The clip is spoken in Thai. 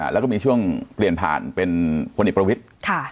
แล้วก็มีช่วงเปลี่ยนผ่านเป็นพลเอกประวิทธิ์